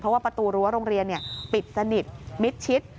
เพราะว่าประตูรั้วโรงเรียนปิดสนิทมิดชิด